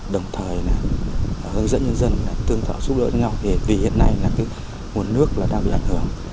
đồng thời hướng dẫn nhân dân tương tự giúp đỡ ngao vì hiện nay nguồn nước đang bị ảnh hưởng